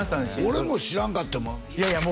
俺も知らんかったもんいやいや